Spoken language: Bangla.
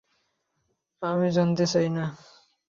আমি জানতে চাই না!